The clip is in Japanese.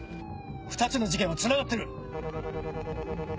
２つの事件はつながってる！